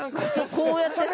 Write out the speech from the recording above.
こうやってさ。